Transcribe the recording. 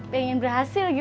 pengen berhasil gitu